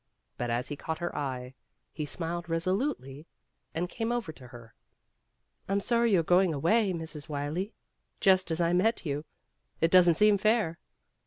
But as he caught her eye, he smiled resolutely and came over to her. "I'm sorry you're going away, Mrs. Wylie, just as I met you. It doesn't seem fair."